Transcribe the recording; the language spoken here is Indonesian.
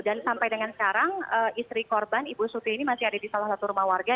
dan sampai dengan sekarang istri korban ibu sofia ini masih ada di salah satu rumah warga